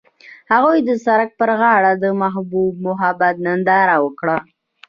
هغوی د سړک پر غاړه د محبوب محبت ننداره وکړه.